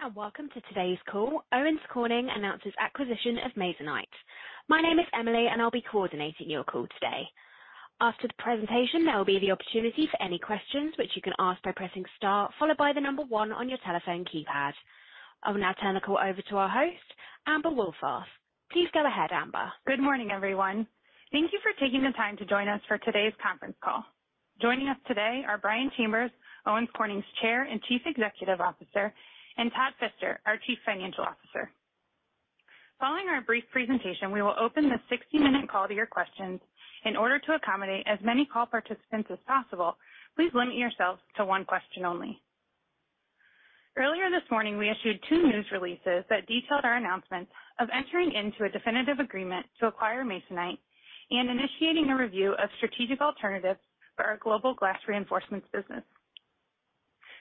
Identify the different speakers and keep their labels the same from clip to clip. Speaker 1: Hello, everyone, and welcome to today's call: Owens Corning Announces Acquisition of Masonite. My name is Emily, and I'll be coordinating your call today. After the presentation, there will be the opportunity for any questions, which you can ask by pressing star, followed by the number one on your telephone keypad. I will now turn the call over to our host, Amber Wohlfarth. Please go ahead, Amber.
Speaker 2: Good morning, everyone. Thank you for taking the time to join us for today's conference call. Joining us today are Brian Chambers, Owens Corning's Chair and Chief Executive Officer, and Todd Fister, our Chief Financial Officer. Following our brief presentation, we will open the 60-minute call to your questions. In order to accommodate as many call participants as possible, please limit yourselves to one question only. Earlier this morning, we issued 2 news releases that detailed our announcement of entering into a definitive agreement to acquire Masonite and initiating a review of strategic alternatives for our global Glass Reinforcements business.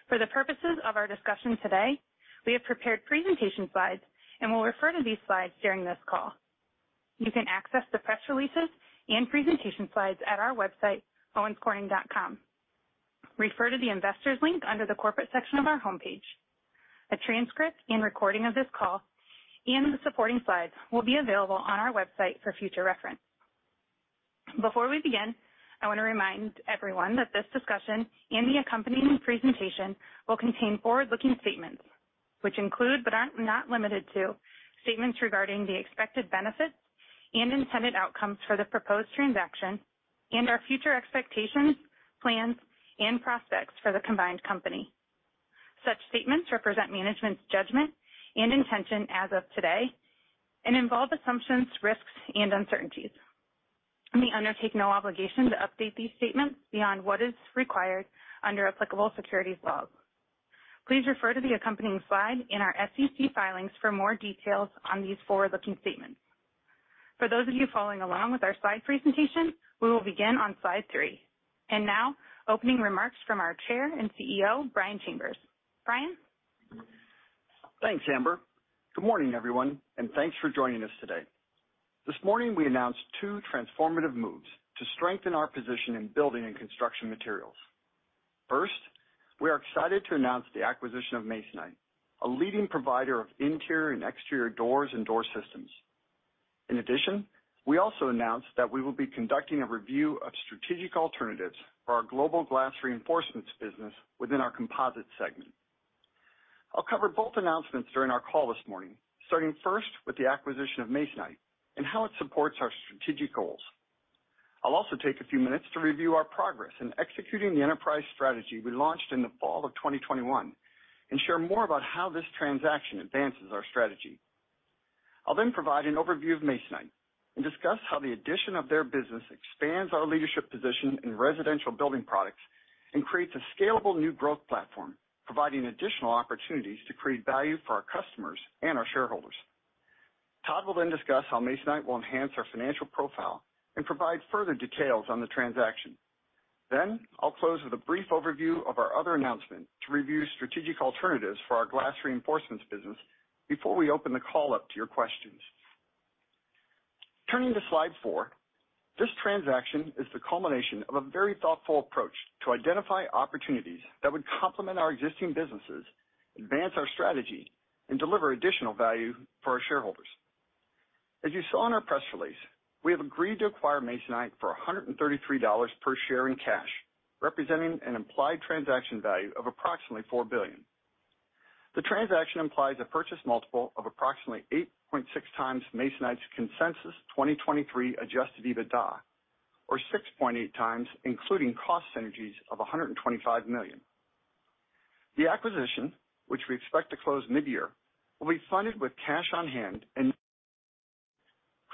Speaker 2: For the purposes of our discussion today, we have prepared presentation slides and will refer to these slides during this call. You can access the press releases and presentation slides at our website, owenscorning.com. Refer to the Investors link under the Corporate section of our homepage. A transcript and recording of this call and the supporting slides will be available on our website for future reference. Before we begin, I want to remind everyone that this discussion and the accompanying presentation will contain forward-looking statements, which include, but are not limited to, statements regarding the expected benefits and intended outcomes for the proposed transaction and our future expectations, plans, and prospects for the combined company. Such statements represent management's judgment and intention as of today and involve assumptions, risks, and uncertainties. We undertake no obligation to update these statements beyond what is required under applicable securities laws. Please refer to the accompanying slide in our SEC filings for more details on these forward-looking statements. For those of you following along with our slide presentation, we will begin on slide three. Now, opening remarks from our Chair and CEO, Brian Chambers. Brian?
Speaker 3: Thanks, Amber. Good morning, everyone, and thanks for joining us today. This morning, we announced two transformative moves to strengthen our position in building and construction materials. First, we are excited to announce the acquisition of Masonite, a leading provider of interior and exterior doors and door systems. In addition, we also announced that we will be conducting a review of strategic alternatives for our global Glass Reinforcements business within our Composite segment. I'll cover both announcements during our call this morning, starting first with the acquisition of Masonite and how it supports our strategic goals. I'll also take a few minutes to review our progress in executing the enterprise strategy we launched in the fall of 2021 and share more about how this transaction advances our strategy. I'll then provide an overview of Masonite and discuss how the addition of their business expands our leadership position in residential building products and creates a scalable new growth platform, providing additional opportunities to create value for our customers and our shareholders. Todd will then discuss how Masonite will enhance our financial profile and provide further details on the transaction. Then I'll close with a brief overview of our other announcement to review strategic alternatives for our Glass Reinforcements business before we open the call up to your questions. Turning to slide four, this transaction is the culmination of a very thoughtful approach to identify opportunities that would complement our existing businesses, advance our strategy, and deliver additional value for our shareholders. As you saw in our press release, we have agreed to acquire Masonite for $133 per share in cash, representing an implied transaction value of approximately $4 billion. The transaction implies a purchase multiple of approximately 8.6x Masonite's consensus 2023 adjusted EBITDA, or 6.8x, including cost synergies of $125 million. The acquisition, which we expect to close midyear, will be funded with cash on hand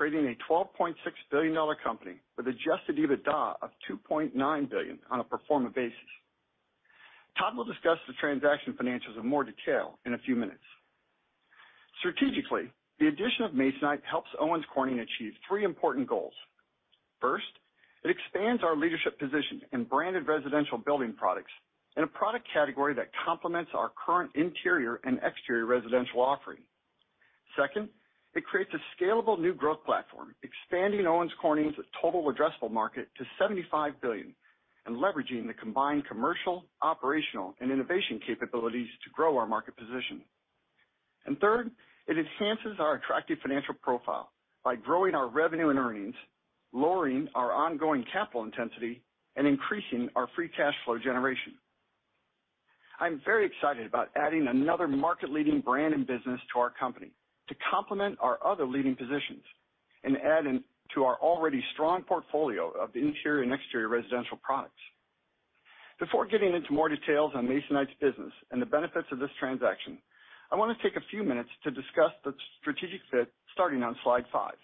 Speaker 3: and creating a $12.6 billion company with adjusted EBITDA of $2.9 billion on a pro forma basis. Todd will discuss the transaction financials in more detail in a few minutes. Strategically, the addition of Masonite helps Owens Corning achieve three important goals. First, it expands our leadership position in branded residential building products in a product category that complements our current interior and exterior residential offering. Second, it creates a scalable new growth platform, expanding Owens Corning's total addressable market to $75 billion and leveraging the combined commercial, operational, and innovation capabilities to grow our market position. And third, it enhances our attractive financial profile by growing our revenue and earnings, lowering our ongoing capital intensity, and increasing our free cash flow generation. I'm very excited about adding another market-leading brand and business to our company to complement our other leading positions and add in to our already strong portfolio of interior and exterior residential products. Before getting into more details on Masonite's business and the benefits of this transaction, I want to take a few minutes to discuss the strategic fit, starting on slide five.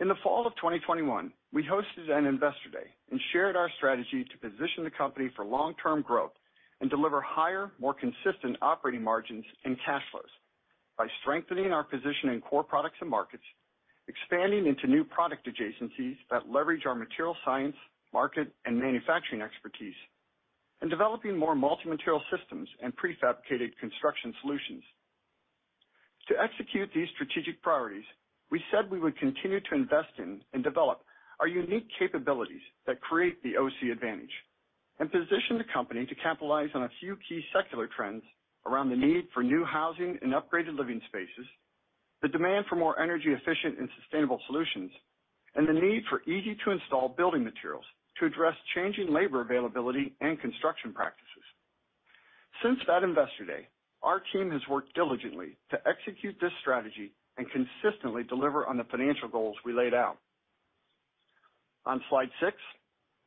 Speaker 3: In the fall of 2021, we hosted an Investor Day and shared our strategy to position the company for long-term growth and deliver higher, more consistent operating margins and cash flows by strengthening our position in core products and markets, expanding into new product adjacencies that leverage our material science, market, and manufacturing expertise, and developing more multi-material systems and prefabricated construction solutions. To execute these strategic priorities, we said we would continue to invest in and develop our unique capabilities that create the OC advantage, and position the company to capitalize on a few key secular trends around the need for new housing and upgraded living spaces, the demand for more energy efficient and sustainable solutions, and the need for easy-to-install building materials to address changing labor availability and construction practices. Since that Investor Day, our team has worked diligently to execute this strategy and consistently deliver on the financial goals we laid out. On slide six,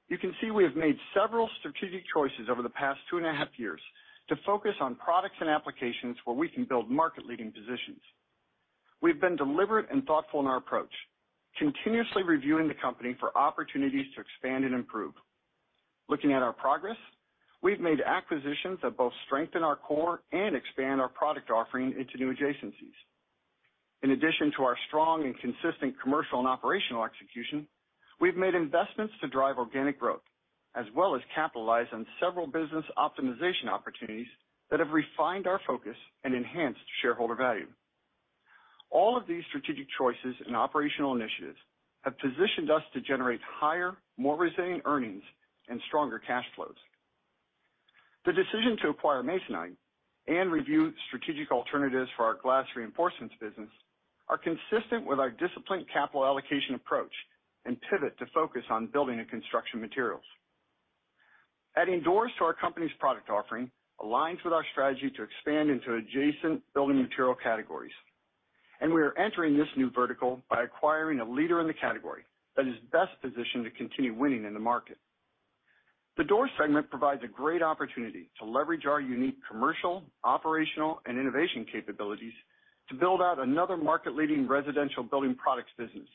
Speaker 3: you can see we have made several strategic choices over the past two and a half years to focus on products and applications where we can build market-leading positions. We've been deliberate and thoughtful in our approach, continuously reviewing the company for opportunities to expand and improve. Looking at our progress, we've made acquisitions that both strengthen our core and expand our product offering into new adjacencies. In addition to our strong and consistent commercial and operational execution, we've made investments to drive organic growth, as well as capitalize on several business optimization opportunities that have refined our focus and enhanced shareholder value. All of these strategic choices and operational initiatives have positioned us to generate higher, more resilient earnings and stronger cash flows. The decision to acquire Masonite and review strategic alternatives for our Glass Reinforcements business are consistent with our disciplined capital allocation approach and pivot to focus on building and construction materials. Adding doors to our company's product offering aligns with our strategy to expand into adjacent building material categories, and we are entering this new vertical by acquiring a leader in the category that is best positioned to continue winning in the market. The door segment provides a great opportunity to leverage our unique commercial, operational, and innovation capabilities to build out another market-leading residential building products business,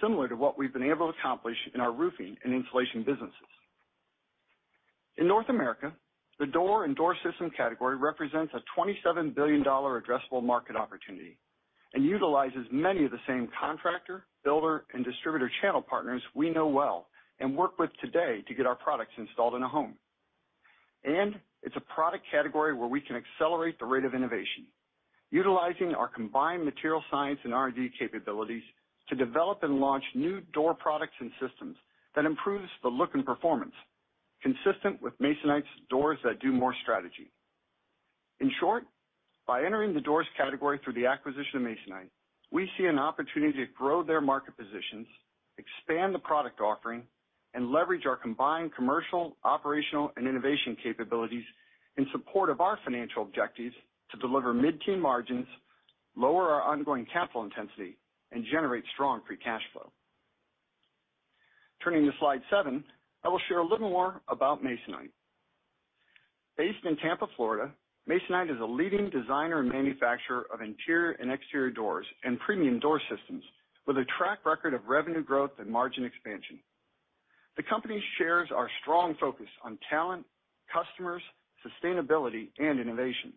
Speaker 3: similar to what we've been able to accomplish in our roofing and insulation businesses. In North America, the door and door system category represents a $27 billion addressable market opportunity and utilizes many of the same contractor, builder, and distributor channel partners we know well and work with today to get our products installed in a home. It's a product category where we can accelerate the rate of innovation, utilizing our combined materials science and R&D capabilities to develop and launch new door products and systems that improves the look and performance, consistent with Masonite's Doors That Do More strategy. In short, by entering the doors category through the acquisition of Masonite, we see an opportunity to grow their market positions, expand the product offering, and leverage our combined commercial, operational, and innovation capabilities in support of our financial objectives to deliver mid-teen margins, lower our ongoing capital intensity, and generate strong free cash flow. Turning to slide seven, I will share a little more about Masonite. Based in Tampa, Florida, Masonite is a leading designer and manufacturer of interior and exterior doors and premium door systems with a track record of revenue growth and margin expansion. The company shares our strong focus on talent, customers, sustainability, and innovation.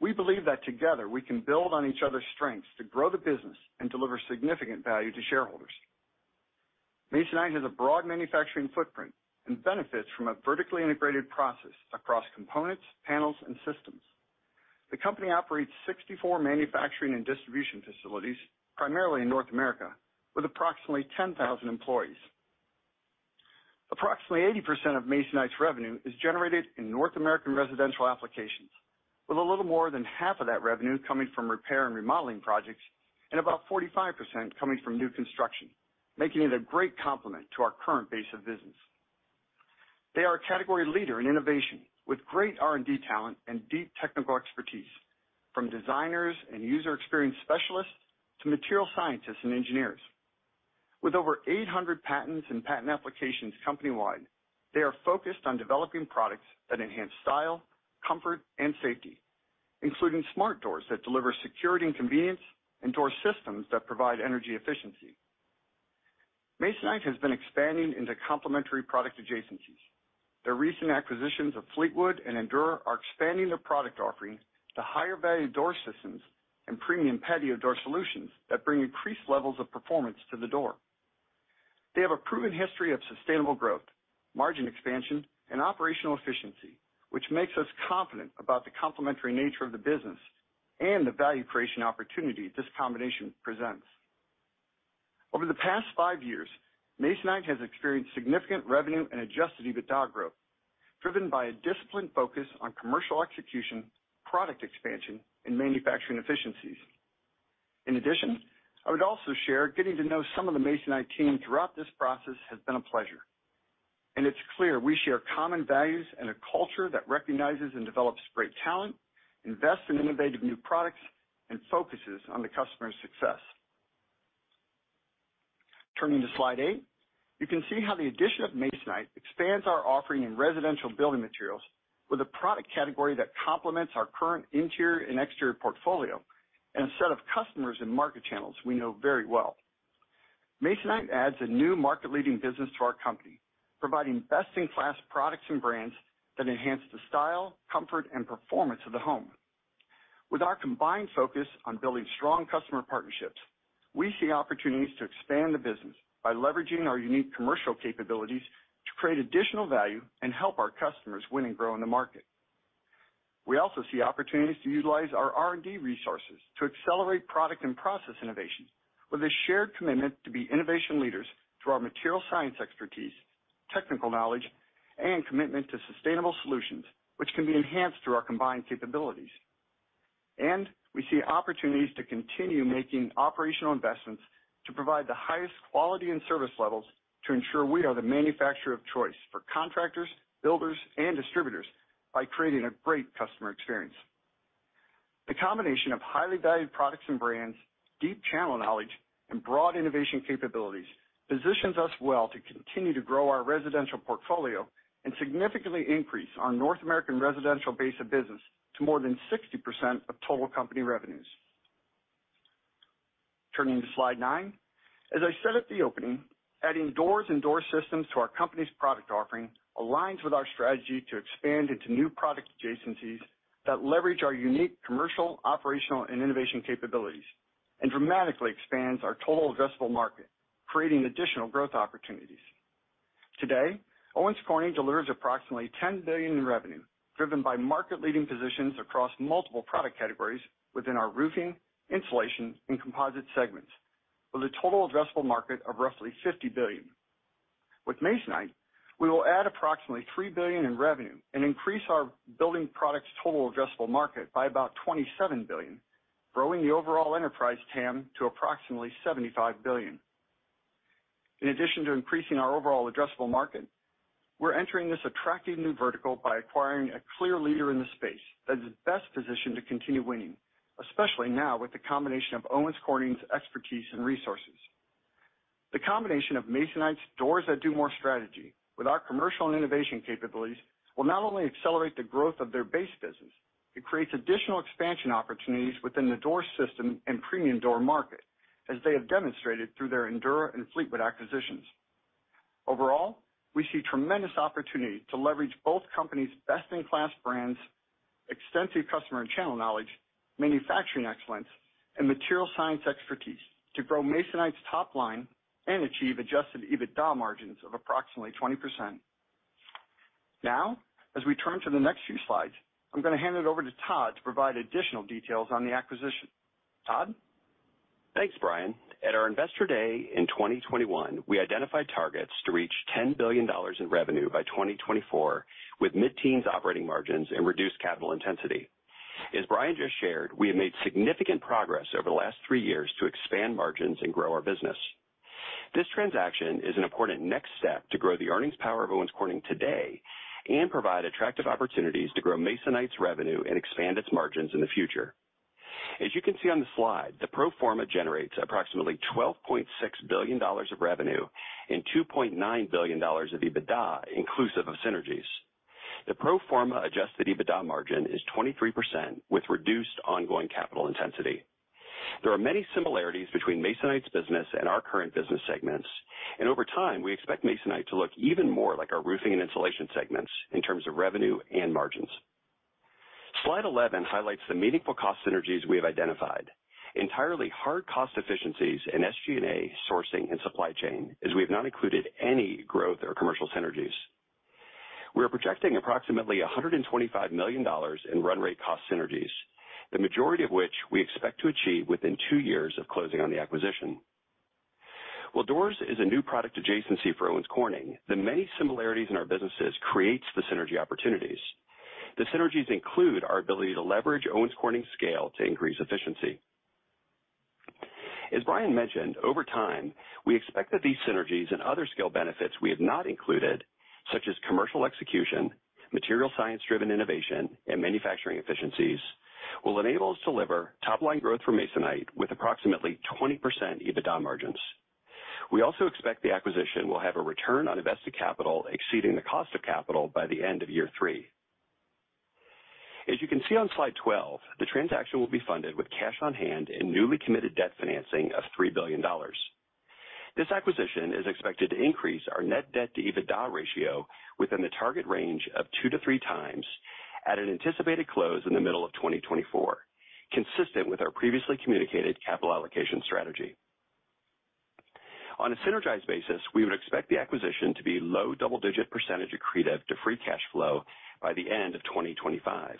Speaker 3: We believe that together, we can build on each other's strengths to grow the business and deliver significant value to shareholders. Masonite has a broad manufacturing footprint and benefits from a vertically integrated process across components, panels, and systems. The company operates 64 manufacturing and distribution facilities, primarily in North America, with approximately 10,000 employees. Approximately 80% of Masonite's revenue is generated in North American residential applications, with a little more than half of that revenue coming from repair and remodeling projects and about 45% coming from new construction, making it a great complement to our current base of business. They are a category leader in innovation, with great R&D talent and deep technical expertise, from designers and user experience specialists to material scientists and engineers. With over 800 patents and patent applications company-wide, they are focused on developing products that enhance style, comfort, and safety, including smart doors that deliver security and convenience, and door systems that provide energy efficiency. Masonite has been expanding into complementary product adjacencies. Their recent acquisitions of Fleetwood and Endura are expanding their product offerings to higher-value door systems and premium patio door solutions that bring increased levels of performance to the door. They have a proven history of sustainable growth, margin expansion, and operational efficiency, which makes us confident about the complementary nature of the business and the value creation opportunity this combination presents. Over the past five years, Masonite has experienced significant revenue and Adjusted EBITDA growth, driven by a disciplined focus on commercial execution, product expansion, and manufacturing efficiencies. In addition, I would also share, getting to know some of the Masonite team throughout this process has been a pleasure, and it's clear we share common values and a culture that recognizes and develops great talent, invests in innovative new products, and focuses on the customer's success. Turning to slide eight, you can see how the addition of Masonite expands our offering in residential building materials with a product category that complements our current interior and exterior portfolio and a set of customers and market channels we know very well. Masonite adds a new market-leading business to our company, providing best-in-class products and brands that enhance the style, comfort, and performance of the home. With our combined focus on building strong customer partnerships. We see opportunities to expand the business by leveraging our unique commercial capabilities to create additional value and help our customers win and grow in the market. We also see opportunities to utilize our R&D resources to accelerate product and process innovation, with a shared commitment to be innovation leaders through our material science expertise, technical knowledge, and commitment to sustainable solutions, which can be enhanced through our combined capabilities. We see opportunities to continue making operational investments to provide the highest quality and service levels to ensure we are the manufacturer of choice for contractors, builders, and distributors by creating a great customer experience. The combination of highly valued products and brands, deep channel knowledge, and broad innovation capabilities positions us well to continue to grow our residential portfolio and significantly increase our North American residential base of business to more than 60% of total company revenues. Turning to slide nine. As I said at the opening, adding doors and door systems to our company's product offering aligns with our strategy to expand into new product adjacencies that leverage our unique commercial, operational, and innovation capabilities, and dramatically expands our total addressable market, creating additional growth opportunities. Today, Owens Corning delivers approximately $10 billion in revenue, driven by market-leading positions across multiple product categories within our roofing, insulation, and Composite segments, with a total addressable market of roughly $50 billion. With Masonite, we will add approximately $3 billion in revenue and increase our building products' total addressable market by about $27 billion, growing the overall enterprise TAM to approximately $75 billion. In addition to increasing our overall addressable market, we're entering this attractive new vertical by acquiring a clear leader in the space that is best positioned to continue winning, especially now with the combination of Owens Corning's expertise and resources. The combination of Masonite's Doors That Do More strategy with our commercial and innovation capabilities will not only accelerate the growth of their base business, it creates additional expansion opportunities within the door system and premium door market, as they have demonstrated through their Endura and Fleetwood acquisitions. Overall, we see tremendous opportunity to leverage both companies' best-in-class brands, extensive customer and channel knowledge, manufacturing excellence, and material science expertise to grow Masonite's top line and achieve Adjusted EBITDA margins of approximately 20%. Now, as we turn to the next few slides, I'm going to hand it over to Todd to provide additional details on the acquisition. Todd?
Speaker 4: Thanks, Brian. At our Investor Day in 2021, we identified targets to reach $10 billion in revenue by 2024, with mid-teens operating margins and reduced capital intensity. As Brian just shared, we have made significant progress over the last three years to expand margins and grow our business. This transaction is an important next step to grow the earnings power of Owens Corning today, and provide attractive opportunities to grow Masonite's revenue and expand its margins in the future. As you can see on the slide, the pro forma generates approximately $12.6 billion of revenue and $2.9 billion of EBITDA, inclusive of synergies. The pro forma adjusted EBITDA margin is 23%, with reduced ongoing capital intensity. There are many similarities between Masonite's business and our current business segments, and over time, we expect Masonite to look even more like our roofing and insulation segments in terms of revenue and margins. Slide 11 highlights the meaningful cost synergies we have identified. Entirely hard cost efficiencies in SG&A, sourcing, and supply chain, as we have not included any growth or commercial synergies. We are projecting approximately $125 million in run rate cost synergies, the majority of which we expect to achieve within two years of closing on the acquisition. While doors is a new product adjacency for Owens Corning, the many similarities in our businesses creates the synergy opportunities. The synergies include our ability to leverage Owens Corning's scale to increase efficiency. As Brian mentioned, over time, we expect that these synergies and other scale benefits we have not included, such as commercial execution, material science-driven innovation, and manufacturing efficiencies, will enable us to deliver top-line growth for Masonite with approximately 20% EBITDA margins. We also expect the acquisition will have a return on invested capital exceeding the cost of capital by the end of year three. As you can see on slide 12, the transaction will be funded with cash on hand and newly committed debt financing of $3 billion. This acquisition is expected to increase our net debt to EBITDA ratio within the target range of 2-3x at an anticipated close in the middle of 2024, consistent with our previously communicated capital allocation strategy. On a synergized basis, we would expect the acquisition to be low double-digit percentage accretive to free cash flow by the end of 2025.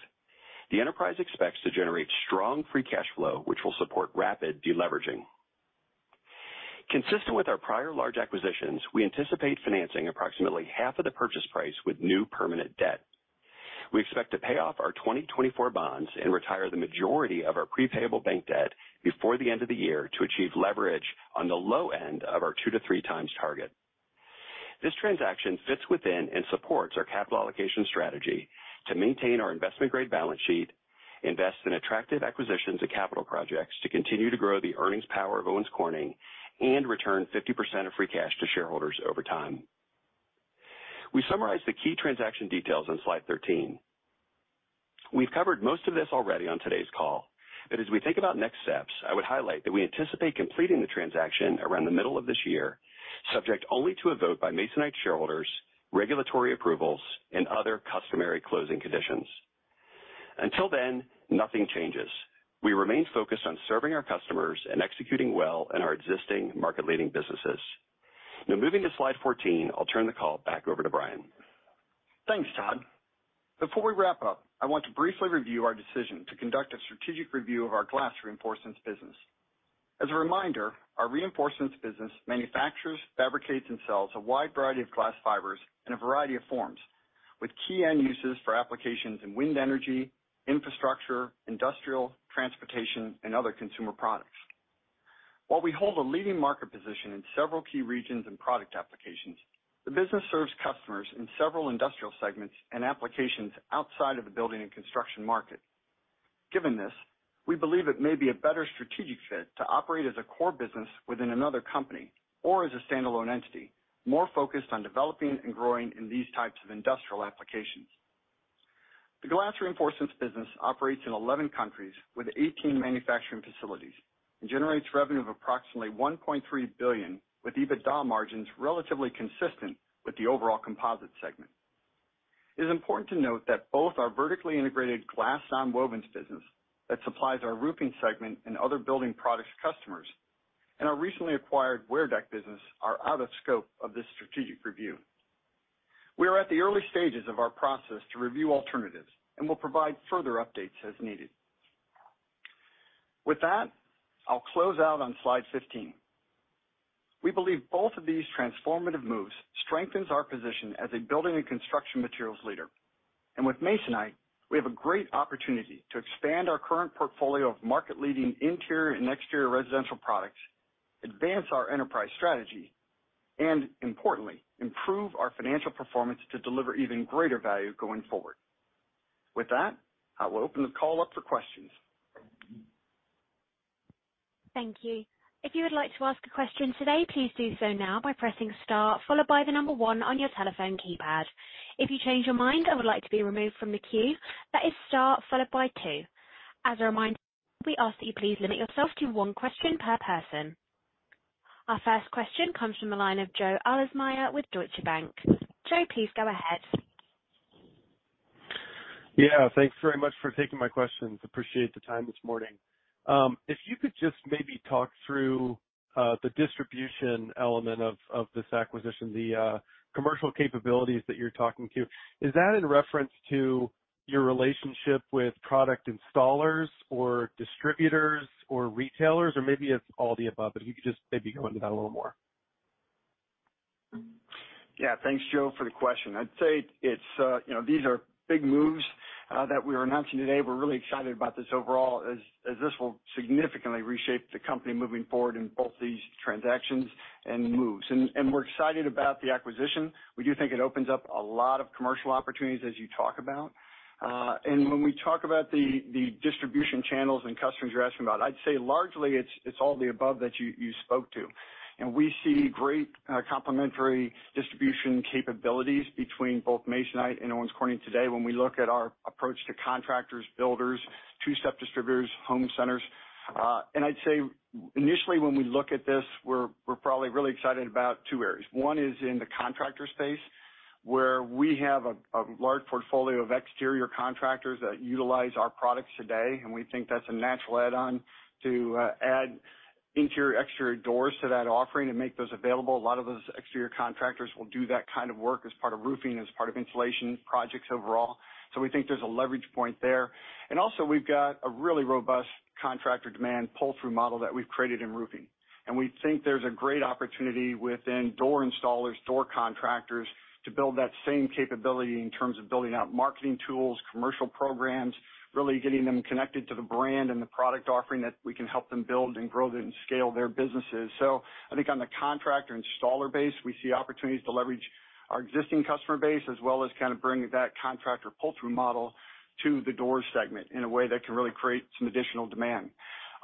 Speaker 4: The enterprise expects to generate strong free cash flow, which will support rapid deleveraging. Consistent with our prior large acquisitions, we anticipate financing approximately half of the purchase price with new permanent debt. We expect to pay off our 2024 bonds and retire the majority of our prepayable bank debt before the end of the year to achieve leverage on the low end of our 2-3x target. This transaction fits within and supports our capital allocation strategy to maintain our investment-grade balance sheet, invest in attractive acquisitions and capital projects to continue to grow the earnings power of Owens Corning, and return 50% of free cash to shareholders over time. We summarize the key transaction details on slide 13. We've covered most of this already on today's call, but as we think about next steps, I would highlight that we anticipate completing the transaction around the middle of this year, subject only to a vote by Masonite shareholders, regulatory approvals, and other customary closing conditions. Until then, nothing changes. We remain focused on serving our customers and executing well in our existing market-leading businesses. Now, moving to slide 14, I'll turn the call back over to Brian.
Speaker 3: Thanks, Todd. Before we wrap up, I want to briefly review our decision to conduct a strategic review of our Glass Reinforcements business. As a reminder, our reinforcements business manufactures, fabricates, and sells a wide variety of glass fibers in a variety of forms, with key end uses for applications in wind energy, infrastructure, industrial, transportation, and other consumer products. While we hold a leading market position in several key regions and product applications, the business serves customers in several industrial segments and applications outside of the building and construction market. Given this, we believe it may be a better strategic fit to operate as a core business within another company or as a standalone entity, more focused on developing and growing in these types of industrial applications. The Glass Reinforcements business operates in 11 countries with 18 manufacturing facilities and generates revenue of approximately $1.3 billion, with EBITDA margins relatively consistent with the overall Composites segment. It is important to note that both our vertically integrated glass nonwovens business, that supplies our roofing segment and other building products customers, and our recently acquired WearDeck business, are out of scope of this strategic review. We are at the early stages of our process to review alternatives and will provide further updates as needed. With that, I'll close out on slide 15. We believe both of these transformative moves strengthens our position as a building and construction materials leader. With Masonite, we have a great opportunity to expand our current portfolio of market-leading interior and exterior residential products, advance our enterprise strategy, and importantly, improve our financial performance to deliver even greater value going forward. With that, I will open the call up for questions.
Speaker 1: Thank you. If you would like to ask a question today, please do so now by pressing star, followed by the number one on your telephone keypad. If you change your mind and would like to be removed from the queue, that is star followed by two. As a reminder, we ask that you please limit yourself to one question per person. Our first question comes from the line of Joe Ahlersmeyer with Deutsche Bank. Joe, please go ahead.
Speaker 5: Yeah, thanks very much for taking my questions. Appreciate the time this morning. If you could just maybe talk through the distribution element of this acquisition, the commercial capabilities that you're talking to. Is that in reference to your relationship with product installers or distributors or retailers? Or maybe it's all the above, but if you could just maybe go into that a little more.
Speaker 3: Yeah, thanks, Joe, for the question. I'd say it's, you know, these are big moves that we are announcing today. We're really excited about this overall, as this will significantly reshape the company moving forward in both these transactions and moves. And we're excited about the acquisition. We do think it opens up a lot of commercial opportunities, as you talk about. And when we talk about the distribution channels and customers you're asking about, I'd say largely it's all the above that you spoke to. And we see great complementary distribution capabilities between both Masonite and Owens Corning today when we look at our approach to contractors, builders, two-step distributors, home centers. And I'd say initially, when we look at this, we're probably really excited about two areas. One is in the contractor space, where we have a large portfolio of exterior contractors that utilize our products today, and we think that's a natural add-on to add interior-exterior doors to that offering and make those available. A lot of those exterior contractors will do that kind of work as part of roofing, as part of insulation projects overall. So we think there's a leverage point there. And also we've got a really robust contractor demand pull-through model that we've created in roofing. And we think there's a great opportunity within door installers, door contractors, to build that same capability in terms of building out marketing tools, commercial programs, really getting them connected to the brand and the product offering, that we can help them build and grow and scale their businesses. So I think on the contractor installer base, we see opportunities to leverage our existing customer base, as well as kind of bring that contractor pull-through model to the doors segment in a way that can really create some additional demand.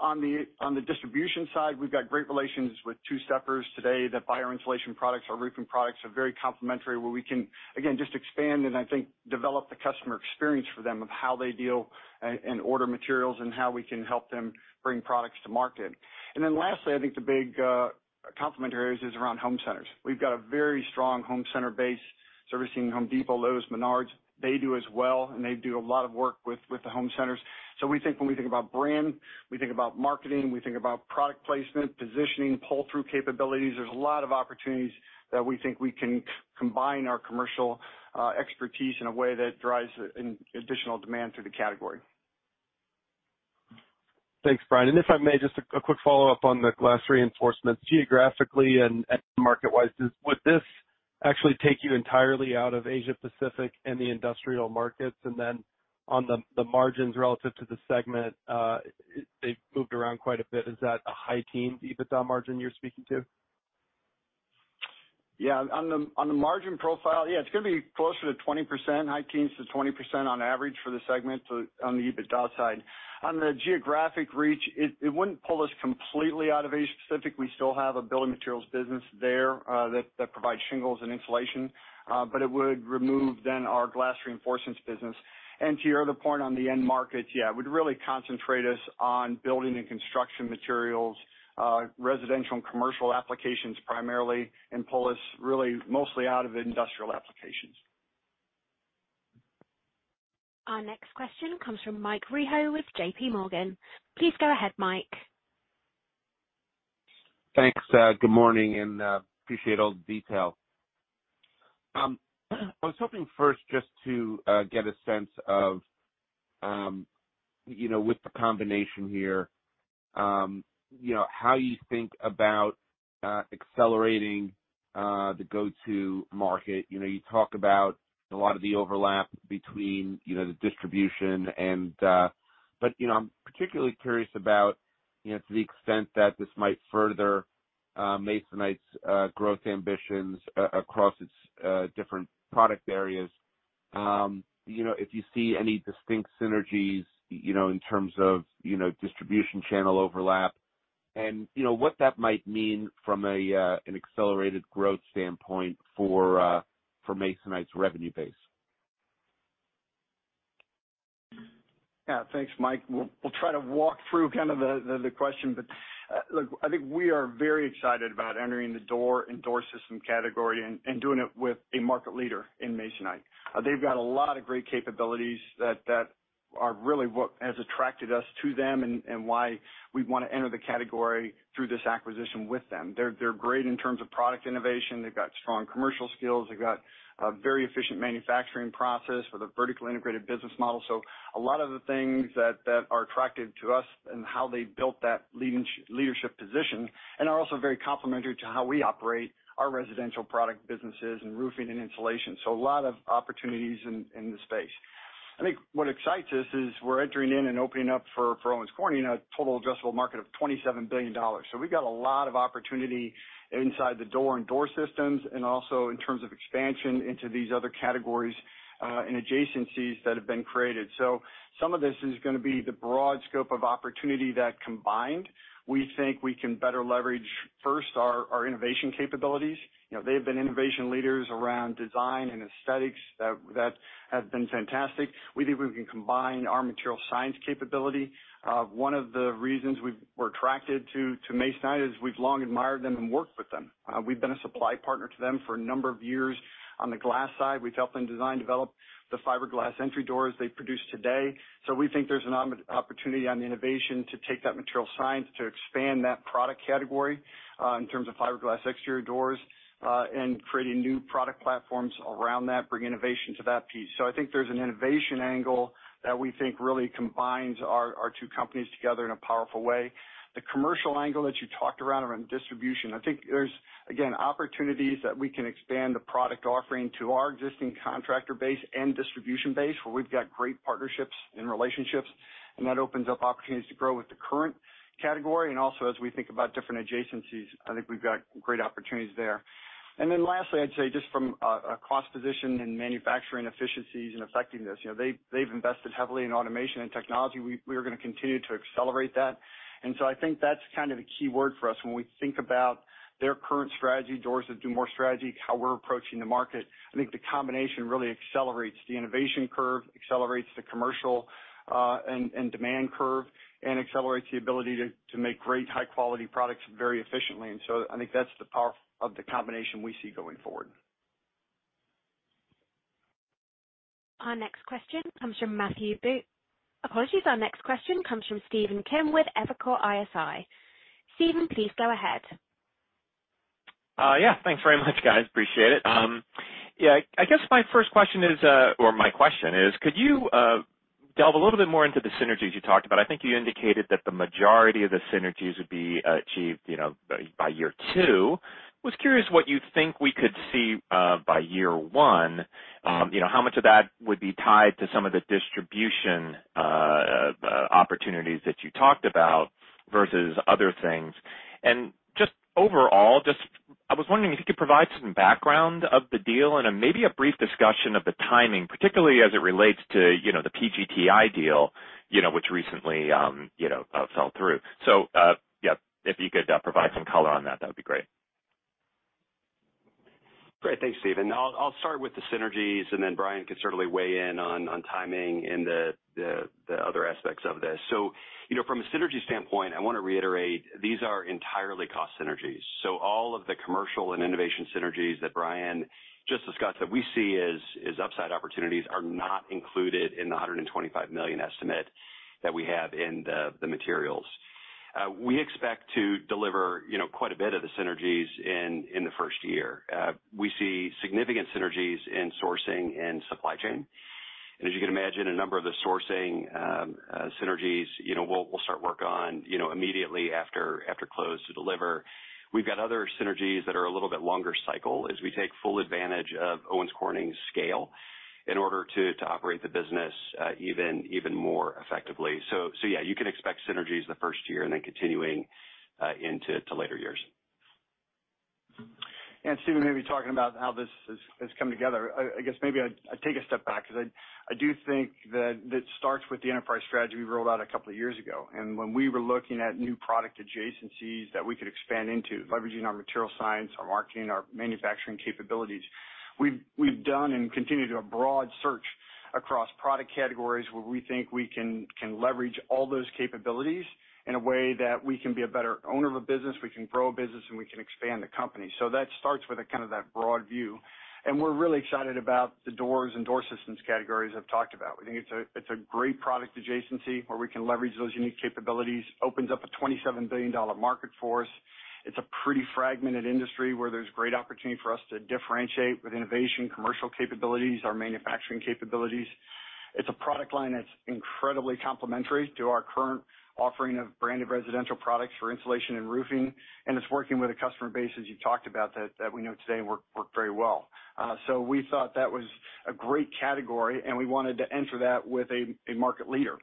Speaker 3: On the distribution side, we've got great relations with two-steppers today that buy our insulation products. Our roofing products are very complementary, where we can, again, just expand and I think, develop the customer experience for them of how they deal and order materials and how we can help them bring products to market. And then lastly, I think the big complementary areas is around home centers. We've got a very strong home center base, servicing Home Depot, Lowe's, Menards. They do as well, and they do a lot of work with the home centers. So we think when we think about brand, we think about marketing, we think about product placement, positioning, pull-through capabilities. There's a lot of opportunities that we think we can combine our commercial expertise in a way that drives an additional demand to the category.
Speaker 5: Thanks, Brian. And if I may, just a quick follow-up on the Glass Reinforcements. Geographically and market-wise, would this actually take you entirely out of Asia Pacific and the industrial markets? And then on the margins relative to the segment, they've moved around quite a bit. Is that a high-teen EBITDA margin you're speaking to?
Speaker 3: Yeah. On the, on the margin profile, yeah, it's going to be closer to 20%, high teens-20% on average for the segment on the EBITDA side. On the geographic reach, it, it wouldn't pull us completely out of Asia Pacific. We still have a building materials business there, that, that provides shingles and insulation, but it would remove then our Glass Reinforcements business. And to your other point on the end markets, yeah, it would really concentrate us on building and construction materials, residential and commercial applications primarily, and pull us really mostly out of industrial applications.
Speaker 1: Our next question comes from Mike Rehaut with JPMorgan. Please go ahead, Mike.
Speaker 6: Thanks, good morning, and, appreciate all the detail. I was hoping first just to get a sense of, you know, with the combination here, you know, how you think about accelerating the go-to market. You know, you talk about a lot of the overlap between, you know, the distribution and, but, you know, I'm particularly curious about, you know, to the extent that this might further Masonite's growth ambitions across its different product areas. You know, if you see any distinct synergies, you know, in terms of, you know, distribution channel overlap, and, you know, what that might mean from a, an accelerated growth standpoint for Masonite's revenue base.
Speaker 3: Yeah. Thanks, Mike. We'll try to walk through kind of the question, but look, I think we are very excited about entering the door and door system category and doing it with a market leader in Masonite. They've got a lot of great capabilities that are really what has attracted us to them and why we want to enter the category through this acquisition with them. They're great in terms of product innovation. They've got strong commercial skills. They've got a very efficient manufacturing process with a vertically integrated business model. So a lot of the things that are attractive to us and how they built that leadership position, and are also very complementary to how we operate our residential product businesses and roofing and insulation. So a lot of opportunities in the space. I think what excites us is we're entering in and opening up for Owens Corning a total addressable market of $27 billion. So we've got a lot of opportunity inside the door and door systems, and also in terms of expansion into these other categories and adjacencies that have been created. So some of this is gonna be the broad scope of opportunity that combined, we think we can better leverage, first, our innovation capabilities. You know, they've been innovation leaders around design and aesthetics that have been fantastic. We think we can combine our material science capability. One of the reasons we were attracted to Masonite is we've long admired them and worked with them. We've been a supply partner to them for a number of years. On the glass side, we've helped them design, develop the fiberglass entry doors they produce today. So we think there's an opportunity on the innovation to take that material science to expand that product category, in terms of fiberglass exterior doors, and creating new product platforms around that, bring innovation to that piece. So I think there's an innovation angle that we think really combines our two companies together in a powerful way. The commercial angle that you talked around distribution, I think there's, again, opportunities that we can expand the product offering to our existing contractor base and distribution base, where we've got great partnerships and relationships, and that opens up opportunities to grow with the current category. And also, as we think about different adjacencies, I think we've got great opportunities there. And then lastly, I'd say just from a cost position and manufacturing efficiencies and effectiveness, you know, they've invested heavily in automation and technology. We are gonna continue to accelerate that. And so I think that's kind of the key word for us when we think about their current strategy, Doors That Do More strategy, how we're approaching the market. I think the combination really accelerates the innovation curve, accelerates the commercial, and demand curve, and accelerates the ability to make great high-quality products very efficiently. And so I think that's the power of the combination we see going forward.
Speaker 1: Our next question comes from Matthew Bouley. Apologies. Our next question comes from Stephen Kim with Evercore ISI. Stephen, please go ahead.
Speaker 7: Yeah, thanks very much, guys. Appreciate it. Yeah, I guess my first question is, or my question is, could you delve a little bit more into the synergies you talked about? I think you indicated that the majority of the synergies would be achieved, you know, by year two. Was curious what you think we could see by year one. You know, how much of that would be tied to some of the distribution opportunities that you talked about versus other things? And just overall, I was wondering if you could provide some background of the deal and maybe a brief discussion of the timing, particularly as it relates to, you know, the PGTI deal, you know, which recently fell through. So, yeah, if you could provide some color on that, that would be great.
Speaker 4: Great. Thanks, Stephen. I'll start with the synergies, and then Brian can certainly weigh in on timing and the other aspects of this. So, you know, from a synergy standpoint, I want to reiterate, these are entirely cost synergies. So all of the commercial and innovation synergies that Brian just discussed, that we see as upside opportunities, are not included in the $125 million estimate that we have in the materials. We expect to deliver, you know, quite a bit of the synergies in the first year. We see significant synergies in sourcing and supply chain, and as you can imagine, a number of the sourcing synergies, you know, we'll start work on, you know, immediately after close to deliver. We've got other synergies that are a little bit longer cycle as we take full advantage of Owens Corning's scale in order to operate the business even more effectively. So yeah, you can expect synergies the first year and then continuing into later years.
Speaker 3: Stephen, maybe talking about how this has come together, I guess maybe I take a step back because I do think that it starts with the enterprise strategy we rolled out a couple of years ago. When we were looking at new product adjacencies that we could expand into, leveraging our material science, our marketing, our manufacturing capabilities, we've done and continue to do a broad search across product categories where we think we can leverage all those capabilities in a way that we can be a better owner of a business, we can grow a business, and we can expand the company. That starts with that broad view. We're really excited about the doors and door systems categories I've talked about. We think it's a great product adjacency where we can leverage those unique capabilities, opens up a $27 billion market for us. It's a pretty fragmented industry where there's great opportunity for us to differentiate with innovation, commercial capabilities, our manufacturing capabilities. It's a product line that's incredibly complementary to our current offering of branded residential products for insulation and roofing, and it's working with a customer base, as you talked about, that we know today works very well. So we thought that was a great category, and we wanted to enter that with a market leader.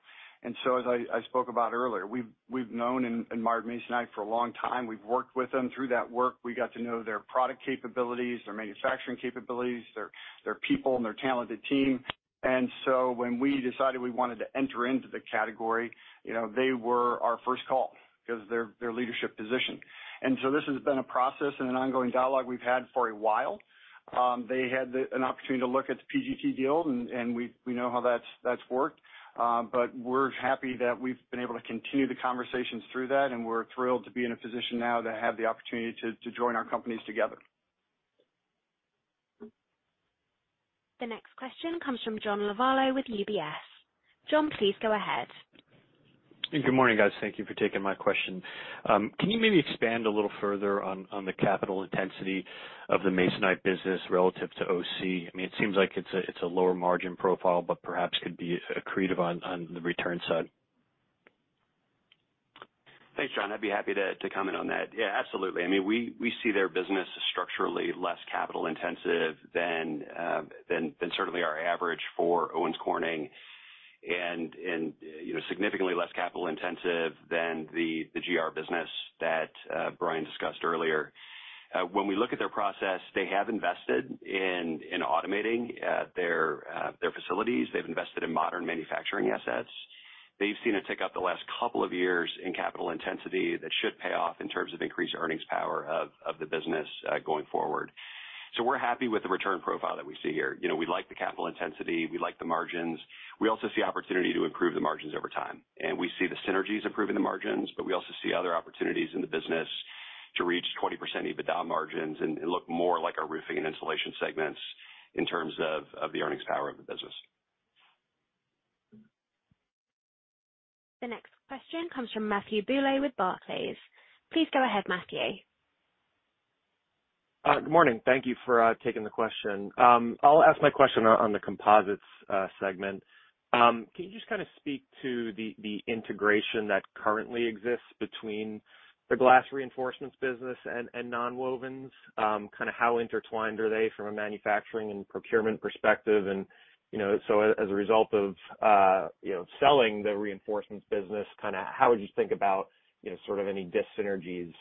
Speaker 3: And so as I spoke about earlier, we've known and admired Masonite for a long time. We've worked with them. Through that work, we got to know their product capabilities, their manufacturing capabilities, their people and their talented team. And so when we decided we wanted to enter into the category, you know, they were our first call because of their leadership position. And so this has been a process and an ongoing dialogue we've had for a while. They had an opportunity to look at the PGT deal, and we know how that's worked. But we're happy that we've been able to continue the conversations through that, and we're thrilled to be in a position now to have the opportunity to join our companies together.
Speaker 1: The next question comes from John Lovallo with UBS. John, please go ahead.
Speaker 8: Good morning, guys. Thank you for taking my question. Can you maybe expand a little further on, on the capital intensity of the Masonite business relative to OC? I mean, it seems like it's a, it's a lower margin profile, but perhaps could be accretive on, on the return side.
Speaker 4: Thanks, John. I'd be happy to comment on that. Yeah, absolutely. I mean, we see their business structurally less capital intensive than certainly our average for Owens Corning, and you know, significantly less capital intensive than the GR business that Brian discussed earlier. When we look at their process, they have invested in automating their facilities. They've invested in modern manufacturing assets. They've seen a tick up the last couple of years in capital intensity that should pay off in terms of increased earnings power of the business going forward. So we're happy with the return profile that we see here. You know, we like the capital intensity. We like the margins. We also see opportunity to improve the margins over time, and we see the synergies improving the margins, but we also see other opportunities in the business to reach 20% EBITDA margins and look more like our roofing and insulation segments in terms of the earnings power of the business.
Speaker 1: The next question comes from Matthew Bouley with Barclays. Please go ahead, Matthew.
Speaker 9: Good morning. Thank you for taking the question. I'll ask my question on the composites segment. Can you just kind of speak to the integration that currently exists between the Glass Reinforcements business and nonwovens? Kind of how intertwined are they from a manufacturing and procurement perspective? And, you know, so as a result of you know, selling the reinforcements business, kind of how would you think about, you know, sort of any dis-synergies,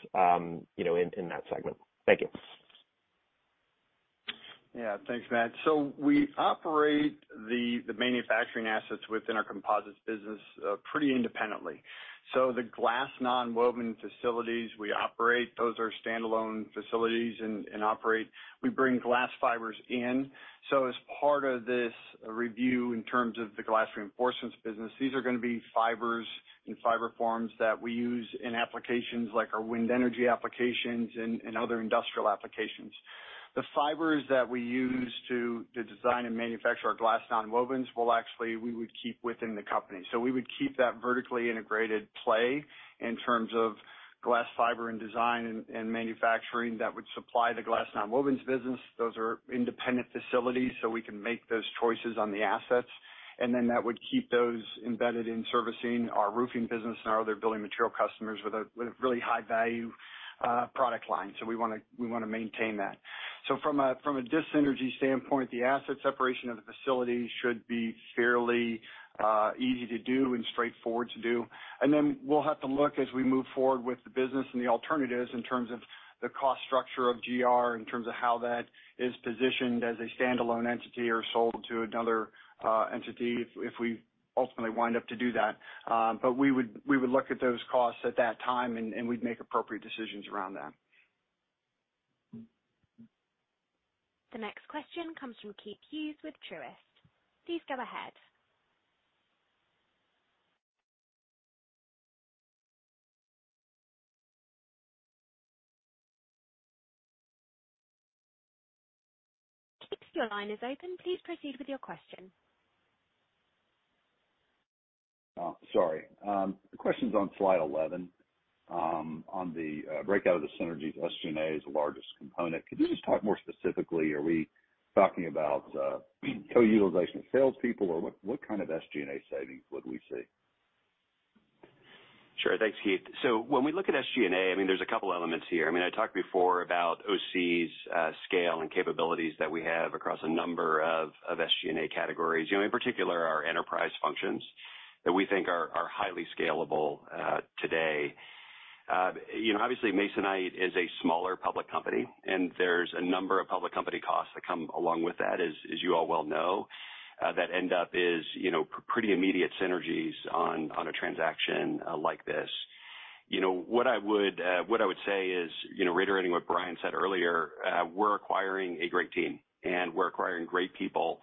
Speaker 9: you know, in that segment? Thank you.
Speaker 3: Yeah. Thanks, Matt. So we operate the manufacturing assets within our composites business pretty independently. So the glass nonwoven facilities we operate, those are standalone facilities and operate. We bring glass fibers in. So as part of this review, in terms of the Glass Reinforcements business, these are gonna be fibers and fiber forms that we use in applications like our wind energy applications and other industrial applications. The fibers that we use to design and manufacture our Glass nonwovens will actually, we would keep within the company. So we would keep that vertically integrated play in terms of glass fiber and design and manufacturing that would supply the glass nonwovens business. Those are independent facilities, so we can make those choices on the assets. And then that would keep those embedded in servicing our roofing business and our other building material customers with a, with a really high-value product line. So we wanna, we wanna maintain that. So from a, from a dis-synergy standpoint, the asset separation of the facilities should be fairly easy to do and straightforward to do. And then we'll have to look as we move forward with the business and the alternatives in terms of the cost structure of GR, in terms of how that is positioned as a standalone entity or sold to another entity if, if we ultimately wind up to do that. But we would, we would look at those costs at that time, and, and we'd make appropriate decisions around that.
Speaker 1: The next question comes from Keith Hughes with Truist. Please go ahead. Keith, your line is open. Please proceed with your question.
Speaker 10: Sorry. The question's on slide 11, on the breakout of the synergies. SG&A is the largest component. Could you just talk more specifically, are we talking about co-utilization of salespeople, or what, what kind of SG&A savings would we see?
Speaker 4: Sure. Thanks, Keith. So when we look at SG&A, I mean, there's a couple elements here. I mean, I talked before about OC's scale and capabilities that we have across a number of SG&A categories, you know, in particular, our enterprise functions that we think are highly scalable today. You know, obviously, Masonite is a smaller public company, and there's a number of public company costs that come along with that, as you all well know, that end up as, you know, pretty immediate synergies on a transaction like this. You know, what I would say is, you know, reiterating what Brian said earlier, we're acquiring a great team, and we're acquiring great people. We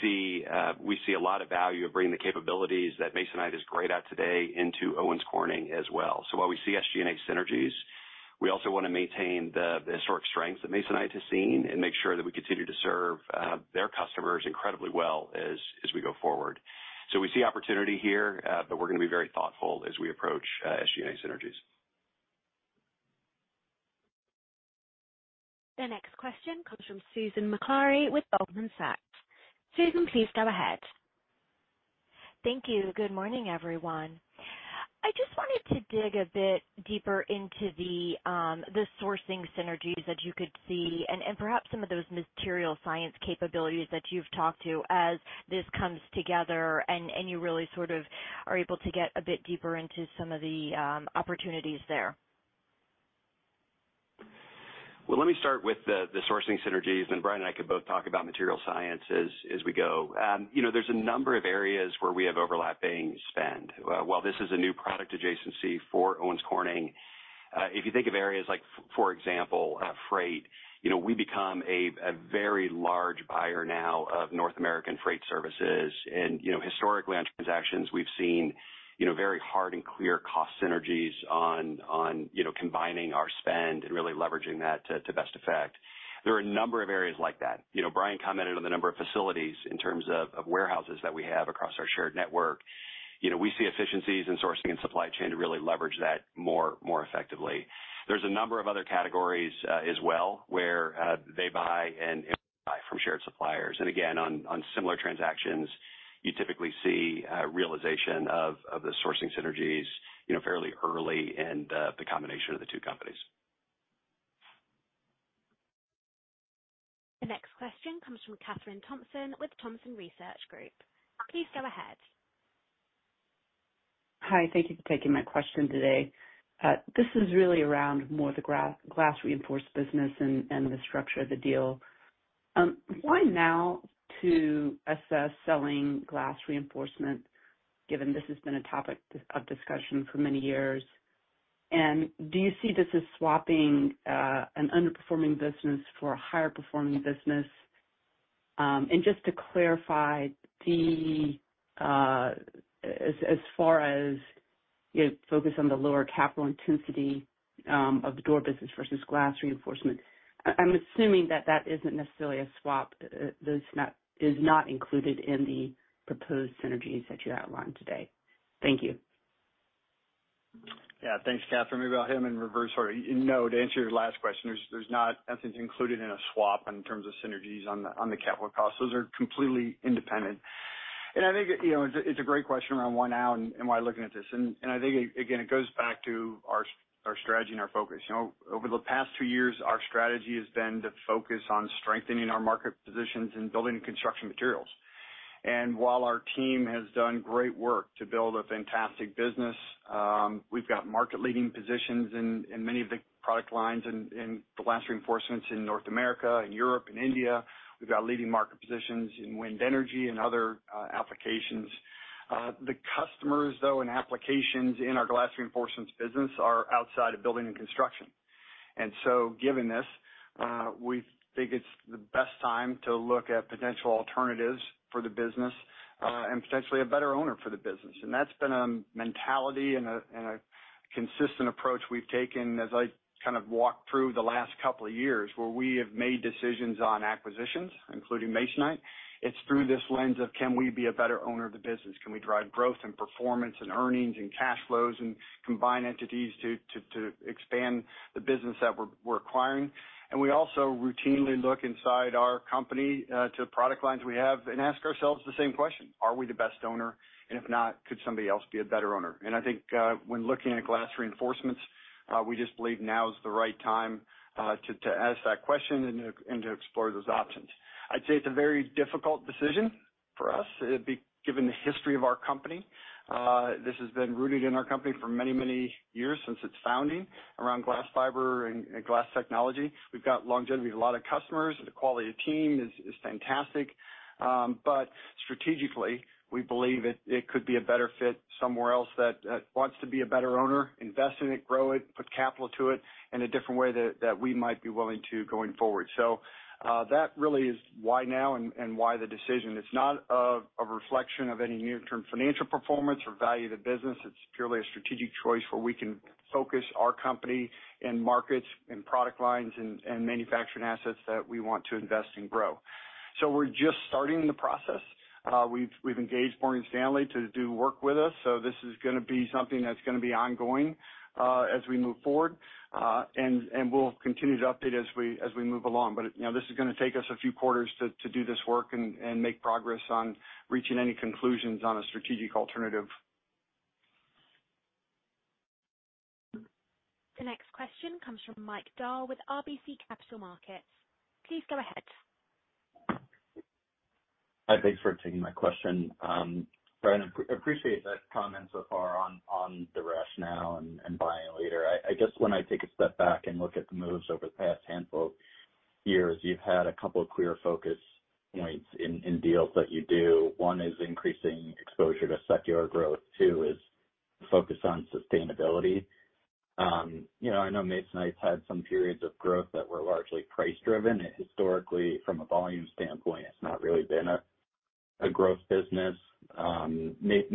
Speaker 4: see, we see a lot of value of bringing the capabilities that Masonite is great at today into Owens Corning as well. So while we see SG&A synergies, we also wanna maintain the historic strengths that Masonite has seen and make sure that we continue to serve their customers incredibly well as we go forward. So we see opportunity here, but we're gonna be very thoughtful as we approach SG&A synergies.
Speaker 1: The next question comes from Susan Maklari with Goldman Sachs. Susan, please go ahead.
Speaker 11: Thank you. Good morning, everyone. I just wanted to dig a bit deeper into the sourcing synergies that you could see and, and perhaps some of those material science capabilities that you've talked to as this comes together, and, and you really sort of are able to get a bit deeper into some of the opportunities there.
Speaker 4: Well, let me start with the sourcing synergies, and Brian and I could both talk about material sciences as we go. You know, there's a number of areas where we have overlapping spend. While this is a new product adjacency for Owens Corning, if you think of areas like, for example, freight, you know, we become a very large buyer now of North American freight services. And, you know, historically, on transactions, we've seen, you know, very hard and clear cost synergies on you know, combining our spend and really leveraging that to best effect. There are a number of areas like that. You know, Brian commented on the number of facilities in terms of warehouses that we have across our shared network. You know, we see efficiencies in sourcing and supply chain to really leverage that more effectively. There's a number of other categories, as well, where they buy and we buy from shared suppliers. And again, on similar transactions, you typically see realization of the sourcing synergies, you know, fairly early in the combination of the two companies.
Speaker 1: The next question comes from Kathryn Thompson with Thompson Research Group. Please go ahead.
Speaker 12: Hi, thank you for taking my question today. This is really around more the Glass Reinforcements business and the structure of the deal. Why now to assess selling Glass Reinforcements, given this has been a topic of discussion for many years? And do you see this as swapping an underperforming business for a higher performing business? And just to clarify, as far as you focus on the lower capital intensity of the door business versus Glass Reinforcements, I'm assuming that that isn't necessarily a swap that's not included in the proposed synergies that you outlined today. Thank you.
Speaker 3: Yeah. Thanks, Kathryn. Maybe I'll hit them in reverse order. No, to answer your last question, there's not nothing included in a swap in terms of synergies on the capital costs. Those are completely independent. And I think, you know, it's a great question around why now and why looking at this, and I think, again, it goes back to our strategy and our focus. You know, over the past two years, our strategy has been to focus on strengthening our market positions in building and construction materials. And while our team has done great work to build a fantastic business, we've got market leading positions in many of the product lines, in the Glass Reinforcements in North America and Europe and India. We've got leading market positions in wind energy and other applications. The customers, though, and applications in our Glass Reinforcements business are outside of building and construction. And so given this, we think it's the best time to look at potential alternatives for the business, and potentially a better owner for the business. And that's been a mentality and a consistent approach we've taken as I kind of walked through the last couple of years, where we have made decisions on acquisitions, including Masonite. It's through this lens of: Can we be a better owner of the business? Can we drive growth and performance and earnings and cash flows and combine entities to, to, to expand the business that we're, we're acquiring? And we also routinely look inside our company, to product lines we have and ask ourselves the same question: Are we the best owner? And if not, could somebody else be a better owner? I think, when looking at Glass Reinforcements, we just believe now is the right time to ask that question and to explore those options. I'd say it's a very difficult decision for us. Given the history of our company, this has been rooted in our company for many, many years since its founding around glass fiber and glass technology. We've got longevity, a lot of customers, the quality of team is fantastic. But strategically, we believe it could be a better fit somewhere else that wants to be a better owner, invest in it, grow it, put capital to it in a different way that we might be willing to going forward. So, that really is why now and why the decision. It's not a reflection of any near-term financial performance or value of the business. It's purely a strategic choice where we can focus our company in markets and product lines and manufacturing assets that we want to invest and grow. So we're just starting the process. We've engaged Morgan Stanley to do work with us, so this is gonna be something that's gonna be ongoing as we move forward. And we'll continue to update as we move along. But you know, this is gonna take us a few quarters to do this work and make progress on reaching any conclusions on a strategic alternative.
Speaker 1: The next question comes from Mike Dahl with RBC Capital Markets. Please go ahead.
Speaker 13: Hi, thanks for taking my question. Brian, appreciate the comments so far on the rationale and buying leader. I guess when I take a step back and look at the moves over the past handful of years, you've had a couple of clear focus points in deals that you do. One is increasing exposure to secular growth, two is. Focus on sustainability. You know, I know Masonite's had some periods of growth that were largely price driven. Historically, from a volume standpoint,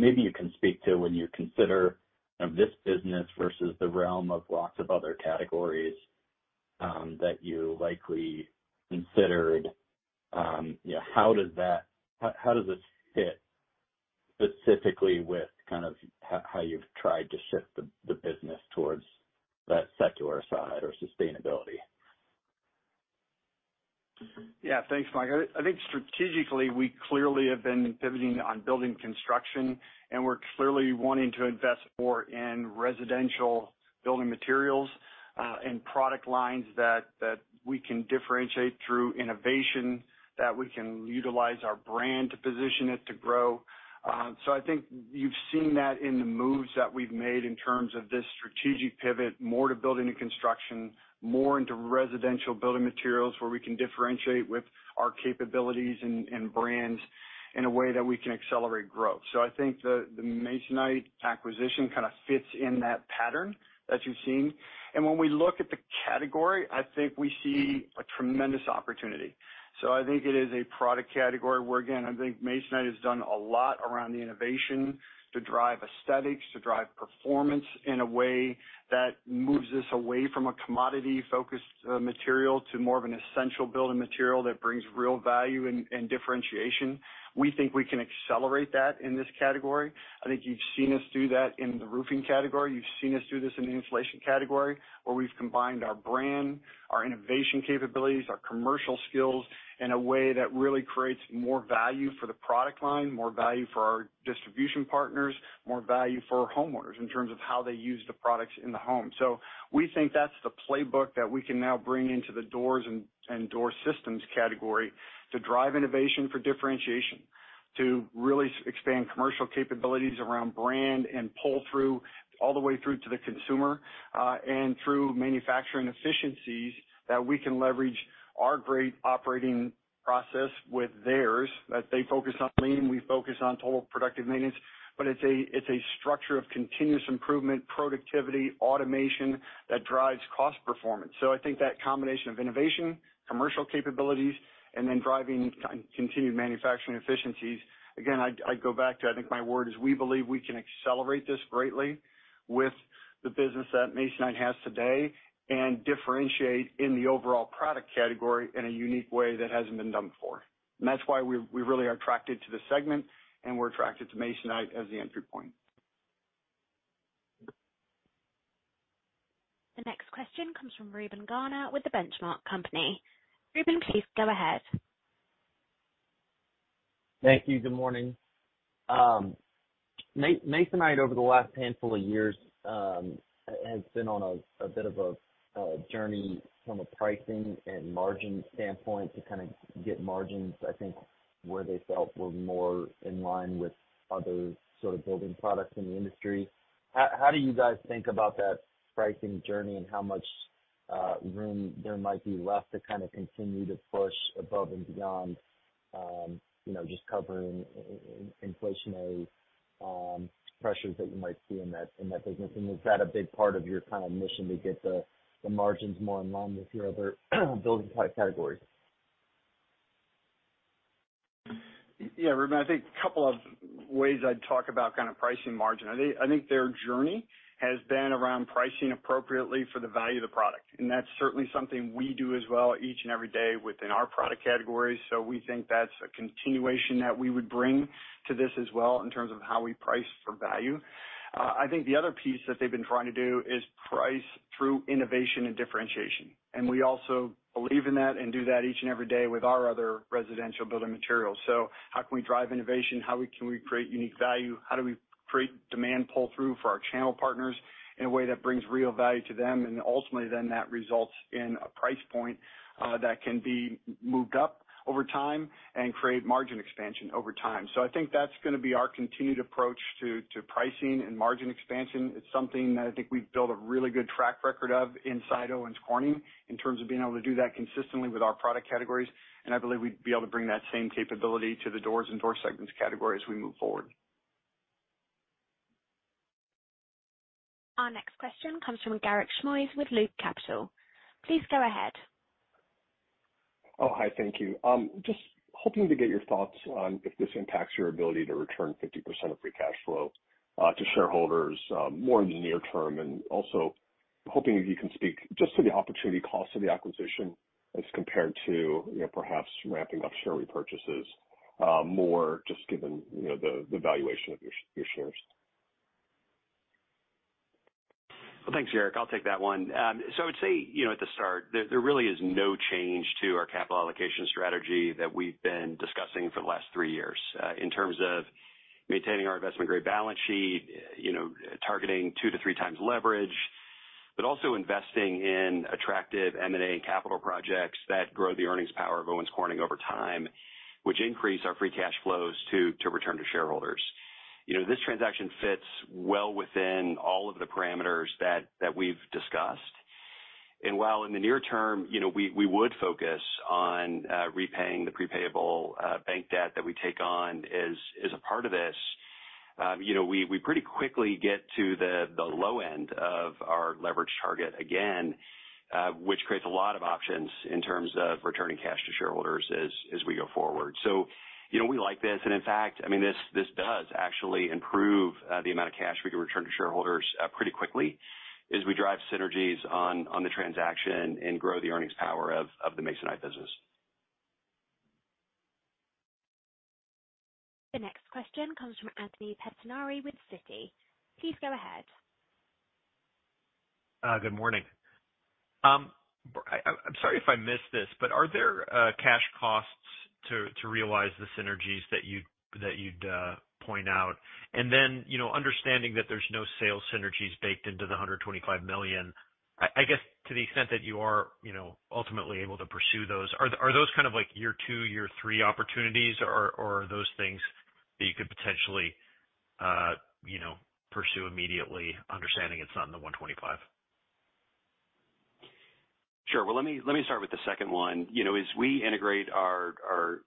Speaker 13: it's not really been a growth business. Maybe you can speak to when you consider, you know, this business versus the realm of lots of other categories that you likely considered. Yeah, how does that - how does this fit specifically with kind of how you've tried to shift the business towards that secular side or sustainability?
Speaker 3: Yeah, thanks, Mike. I think strategically, we clearly have been pivoting on building construction, and we're clearly wanting to invest more in residential building materials, and product lines that we can differentiate through innovation, that we can utilize our brand to position it to grow. So I think you've seen that in the moves that we've made in terms of this strategic pivot, more to building and construction, more into residential building materials, where we can differentiate with our capabilities and brands in a way that we can accelerate growth. So I think the Masonite acquisition kind of fits in that pattern that you've seen. And when we look at the category, I think we see a tremendous opportunity. So I think it is a product category where, again, I think Masonite has done a lot around the innovation to drive aesthetics, to drive performance in a way that moves us away from a commodity-focused material to more of an essential building material that brings real value and, and differentiation. We think we can accelerate that in this category. I think you've seen us do that in the roofing category. You've seen us do this in the insulation category, where we've combined our brand, our innovation capabilities, our commercial skills, in a way that really creates more value for the product line, more value for our distribution partners, more value for homeowners in terms of how they use the products in the home. So we think that's the playbook that we can now bring into the doors and door systems category to drive innovation for differentiation, to really expand commercial capabilities around brand and pull through all the way through to the consumer, and through manufacturing efficiencies that we can leverage our great operating process with theirs, that they focus on lean, we focus on total productive maintenance. But it's a structure of continuous improvement, productivity, automation that drives cost performance. I think that combination of innovation, commercial capabilities, and then driving continued manufacturing efficiencies, again, I'd go back to, I think my word is, we believe we can accelerate this greatly with the business that Masonite has today and differentiate in the overall product category in a unique way that hasn't been done before. That's why we really are attracted to this segment, and we're attracted to Masonite as the entry point.
Speaker 1: The next question comes from Reuben Garner with The Benchmark Company. Reuben, please go ahead.
Speaker 14: Thank you. Good morning. Masonite, over the last handful of years, has been on a bit of a journey from a pricing and margin standpoint to kind of get margins, I think, where they felt were more in line with other sort of building products in the industry. How do you guys think about that pricing journey and how much room there might be left to kind of continue to push above and beyond, you know, just covering inflationary pressures that you might see in that business? And is that a big part of your kind of mission to get the margins more in line with your other building product categories?
Speaker 3: Yeah, Reuben, I think a couple of ways I'd talk about kind of pricing margin. I think their journey has been around pricing appropriately for the value of the product, and that's certainly something we do as well each and every day within our product categories. So we think that's a continuation that we would bring to this as well in terms of how we price for value. I think the other piece that they've been trying to do is price through innovation and differentiation, and we also believe in that and do that each and every day with our other residential building materials. So how can we drive innovation? How can we create unique value? How do we create demand pull-through for our channel partners in a way that brings real value to them? Ultimately, then that results in a price point that can be moved up over time and create margin expansion over time. I think that's gonna be our continued approach to pricing and margin expansion. It's something that I think we've built a really good track record of inside Owens Corning in terms of being able to do that consistently with our product categories, and I believe we'd be able to bring that same capability to the doors and door segments category as we move forward.
Speaker 1: Our next question comes from Garik Shmois with Loop Capital. Please go ahead.
Speaker 15: Oh, hi. Thank you. Just hoping to get your thoughts on if this impacts your ability to return 50% of free cash flow to shareholders more in the near term, and also hoping if you can speak just to the opportunity cost of the acquisition as compared to, you know, perhaps ramping up share repurchases more just given, you know, the, the valuation of your, your shares?
Speaker 4: Well, thanks, Garik. I'll take that one. So I would say, you know, at the start, there really is no change to our capital allocation strategy that we've been discussing for the last three years, in terms of maintaining our investment-grade balance sheet, you know, targeting 2-3x leverage, but also investing in attractive M&A capital projects that grow the earnings power of Owens Corning over time, which increase our free cash flows to return to shareholders. You know, this transaction fits well within all of the parameters that we've discussed. And while in the near term, you know, we, we would focus on repaying the prepaid bank debt that we take on as, as a part of this, you know, we, we pretty quickly get to the, the low end of our leverage target again, which creates a lot of options in terms of returning cash to shareholders as, as we go forward. So, you know, we like this, and in fact, I mean, this, this does actually improve the amount of cash we can return to shareholders pretty quickly as we drive synergies on, on the transaction and grow the earnings power of, of the Masonite business.
Speaker 1: The next question comes from Anthony Pettinari with Citi. Please go ahead.
Speaker 16: Good morning. I'm sorry if I missed this, but are there cash costs to realize the synergies that you'd point out? And then, you know, understanding that there's no sales synergies baked into the $125 million, I guess to the extent that you are, you know, ultimately able to pursue those, are those kind of like year two, year three opportunities, or are those things that you could potentially, you know, pursue immediately, understanding it's not in the $125 million?
Speaker 4: Sure. Well, let me start with the second one. You know, as we integrate our,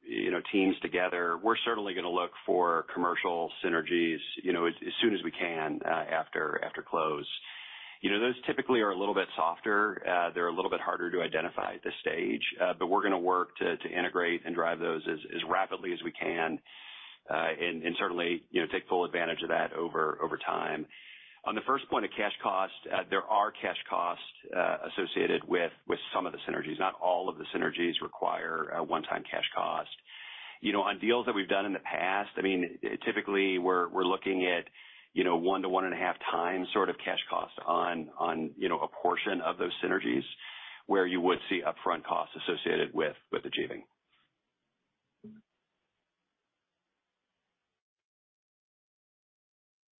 Speaker 4: you know, teams together, we're certainly going to look for commercial synergies, you know, as soon as we can after close. You know, those typically are a little bit softer. They're a little bit harder to identify at this stage, but we're gonna work to integrate and drive those as rapidly as we can, and certainly, you know, take full advantage of that over time. On the first point of cash costs, there are cash costs associated with some of the synergies. Not all of the synergies require a one-time cash cost. You know, on deals that we've done in the past, I mean, typically, we're looking at, you know, 1-1.5x sort of cash costs on, you know, a portion of those synergies where you would see upfront costs associated with achieving.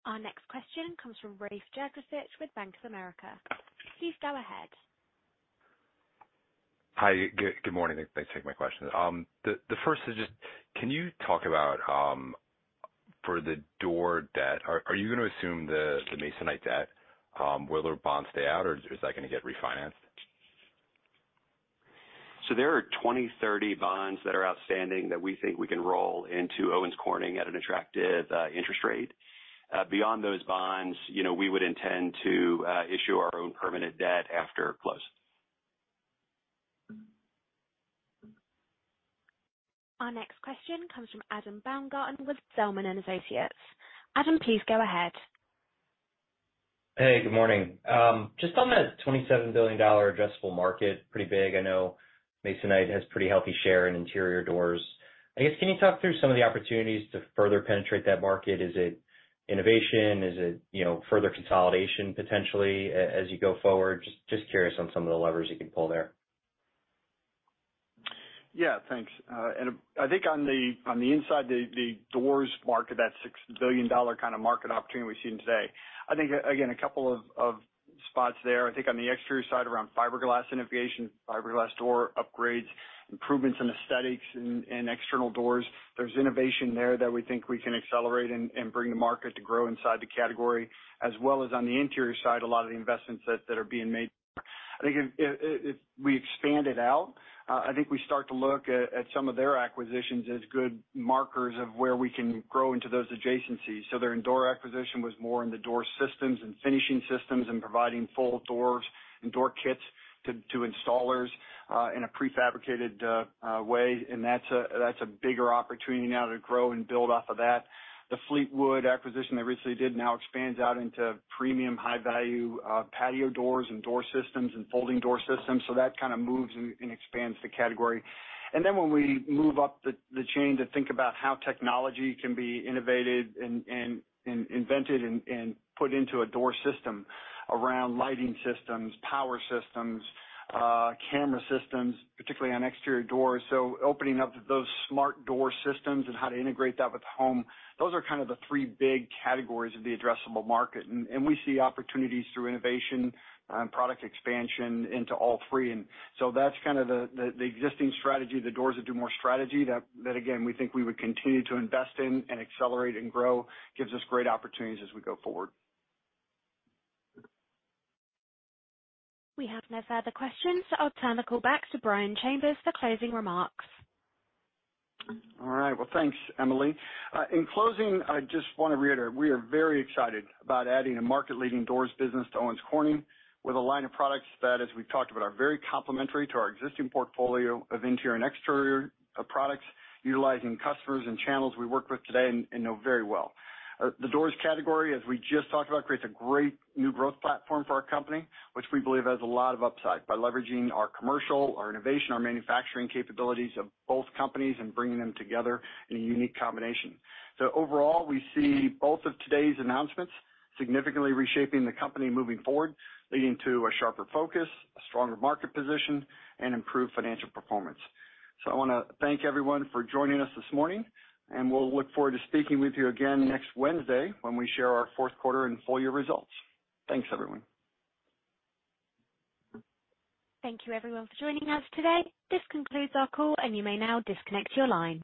Speaker 1: Our next question comes from Rafe Jadrosich with Bank of America. Please go ahead.
Speaker 17: Hi, good morning. Thanks for taking my question. The first is just, can you talk about, for the door debt, are you gonna assume the Masonite debt? Will their bonds stay out, or is that gonna get refinanced?
Speaker 4: There are 2030 bonds that are outstanding that we think we can roll into Owens Corning at an attractive interest rate. Beyond those bonds, you know, we would intend to issue our own permanent debt after close.
Speaker 1: Our next question comes from Adam Baumgarten with Zelman & Associates. Adam, please go ahead.
Speaker 18: Hey, good morning. Just on the $27 billion addressable market, pretty big. I know Masonite has pretty healthy share in interior doors. I guess, can you talk through some of the opportunities to further penetrate that market? Is it innovation? Is it, you know, further consolidation potentially as you go forward? Just, just curious on some of the levers you can pull there.
Speaker 3: Yeah, thanks. And I think on the inside, the doors market, that $6 billion kind of market opportunity we've seen today, I think, again, a couple of spots there. I think on the exterior side, around fiberglass innovation, fiberglass door upgrades, improvements in aesthetics and external doors, there's innovation there that we think we can accelerate and bring to market to grow inside the category, as well as on the interior side, a lot of the investments that are being made. I think if we expand it out, I think we start to look at some of their acquisitions as good markers of where we can grow into those adjacencies. So their Endura acquisition was more in the door systems and finishing systems and providing full doors and door kits to installers in a prefabricated way, and that's a bigger opportunity now to grow and build off of that. The Fleetwood acquisition they recently did now expands out into premium, high value patio doors and door systems and folding door systems, so that kind of moves and expands the category. And then when we move up the chain to think about how technology can be innovated and invented and put into a door system around lighting systems, power systems, camera systems, particularly on exterior doors. So opening up those smart door systems and how to integrate that with the home, those are kind of the three big categories of the addressable market, and we see opportunities through innovation, product expansion into all three. And so that's kind of the existing strategy, the Doors That Do More strategy, that again, we think we would continue to invest in and accelerate and grow, gives us great opportunities as we go forward.
Speaker 1: We have no further questions, so I'll turn the call back to Brian Chambers for closing remarks.
Speaker 3: All right. Well, thanks, Emily. In closing, I just want to reiterate, we are very excited about adding a market-leading doors business to Owens Corning with a line of products that, as we've talked about, are very complementary to our existing portfolio of interior and exterior products utilizing customers and channels we work with today and know very well. The doors category, as we just talked about, creates a great new growth platform for our company, which we believe has a lot of upside by leveraging our commercial, our innovation, our manufacturing capabilities of both companies and bringing them together in a unique combination. So overall, we see both of today's announcements significantly reshaping the company moving forward, leading to a sharper focus, a stronger market position, and improved financial performance. So I want to thank everyone for joining us this morning, and we'll look forward to speaking with you again next Wednesday when we share our fourth quarter and full year results. Thanks, everyone.
Speaker 1: Thank you, everyone, for joining us today. This concludes our call, and you may now disconnect your line.